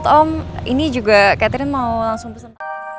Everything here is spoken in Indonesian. om ini juga catherine mau langsung pesan